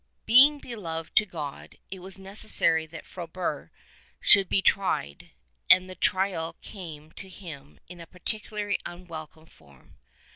Being beloved of God it was necessary that Frobert should be tried, and the trial came to him in a particularly unwel come form.